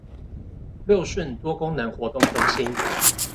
六順多功能活動中心